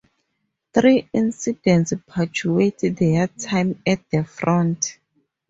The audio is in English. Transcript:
Three incidents punctuate their time at the front.